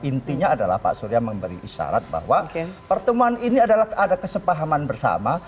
intinya adalah pak surya memberi isyarat bahwa pertemuan ini adalah ada kesepahaman bersama